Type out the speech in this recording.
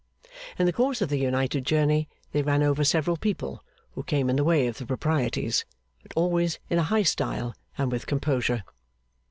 In the course of their united journey, they ran over several people who came in the way of the proprieties; but always in a high style and with composure.